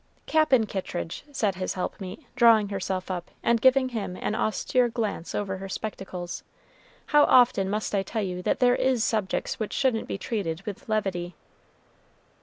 "Cap'n Kittridge!" said his helpmeet, drawing herself up, and giving him an austere glance over her spectacles; "how often must I tell you that there is subjects which shouldn't be treated with levity?"